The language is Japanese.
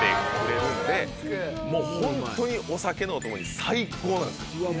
もうホントにお酒のお供に最高なんですよ。